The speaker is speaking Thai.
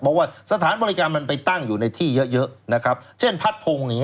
เพราะว่าสถานบริการมันไปตั้งอยู่ในที่เยอะเยอะนะครับเช่นพัดพงอย่างนี้